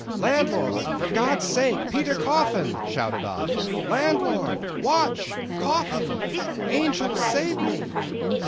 "Landlord, for God's sake, Peter Coffin!" shouted I. "Landlord! Watch! Coffin! Angels! save me!"